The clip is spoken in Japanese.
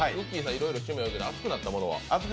いろいろ趣味あるけど熱くなったものは？